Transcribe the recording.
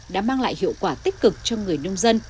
đã mang lại hiệu quả tích cực cho người nông dân